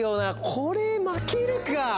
これ負けるか。